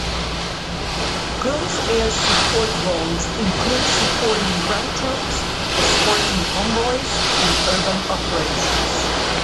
Close air support roles include supporting ground troops, escorting convoys, and urban operations.